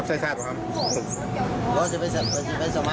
คุณผู้ชมฟังเสียงผู้ต้องหากันหน่อยนะคะ